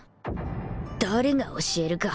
誰が教えるか